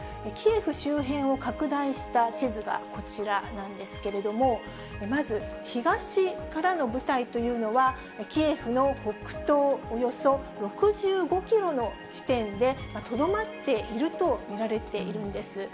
キエフ周辺を拡大した地図がこちらなんですけれども、まず東からの部隊というのは、キエフの北東およそ６５キロの地点でとどまっていると見られているんです。